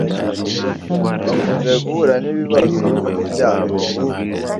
bakunze guhura n'ibibazo byo kubyara